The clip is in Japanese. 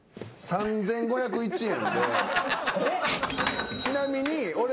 ３，５０１円。